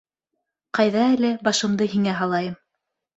Ҡайҙа әле, башымды һиңә һалайым.